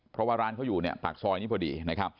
เพราะว่าร้านเขาอยู่ปากซอยนี่พอดี